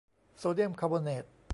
โซเดียมคาร์บอเนต